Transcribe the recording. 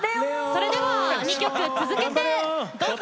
それでは２曲続けてどうぞ。